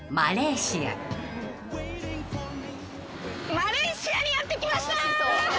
マレーシアにやって来ました！